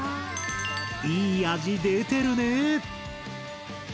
いい味出てるね！